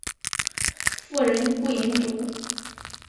妇人不淫妒。